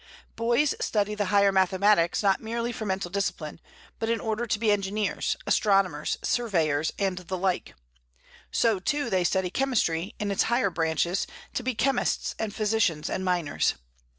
Boys study the higher mathematics not merely for mental discipline, but in order to be engineers, astronomers, surveyors, and the like; so, too, they study chemistry, in its higher branches, to be chemists and physicians and miners.